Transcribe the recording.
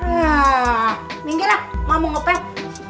nah minggir lah mama mau ngepet